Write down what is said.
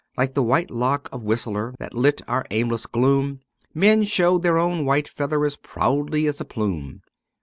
Like the white lock of Whistler, that lit our aimless gloom. Men showed their own white feather as proudly as a piume.